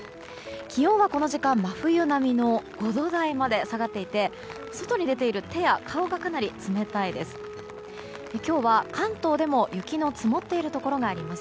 気温はこの時間、真冬並みの５度台まで下がっていて外に出ている手や顔がかなり冷たいです。